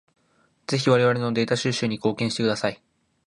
ぜひ我々のデータ収集に貢献してください。